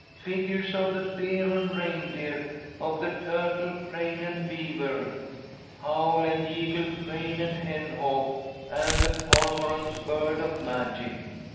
"Figures of the Bear and Reindeer, Of the Turtle, Crane, and Beaver. "Owl and Eagle, Crane and Hen hawk, And the Cormorant, bird of magic.